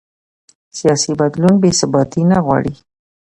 سیاسي بدلون بې ثباتي نه غواړي